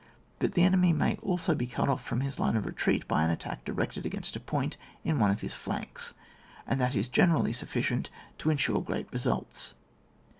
But the enemy may also be cut off from his line of re treat by an attack directed against a point in one of his flanks, and that is generally sufficient to ensure great re sults.